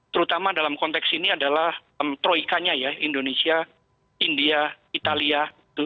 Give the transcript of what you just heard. terutama dalam konteks ini adalah troikannya ya indonesia india italia